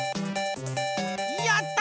やった！